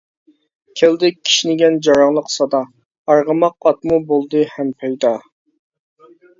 كەلدى كىشنىگەن جاراڭلىق سادا، ئارغىماق ئاتمۇ بولدى ھەم پەيدا.